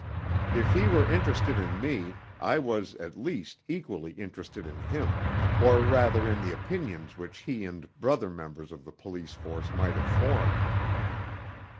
If he were interested in me, I was, at least, equally interested in him, or rather in the opinions which he and brother members of the police force might have formed.